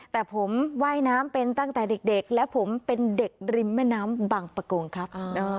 แต่ผมว่ายน้ำเป็นตั้งแต่เด็กและผมเป็นเด็กริมแม่น้ำบางประกงครับ